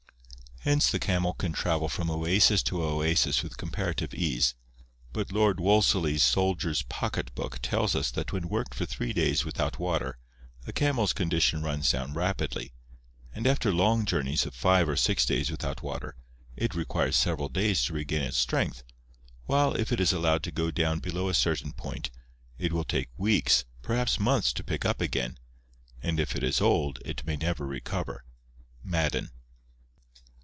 Hence the camel can travel from oasis to oasis with comparative ease, but Lord Wolseley's Soldier's Pocket Book tells us that when worked for three days without water, a camel's con dition runs down rapidly, and after long journeys of five or six days without water, it requires several days to regain its strength, while if it is allowed to go down below a certain point, it will take weeks, perhaps months, to pick up again, and if it is old it may never recover (Madden).